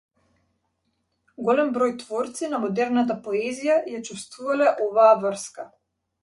Голем број творци на модерната поезија ја чувствувале оваа врска.